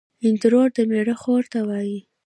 اندرور دمېړه خور ته وايي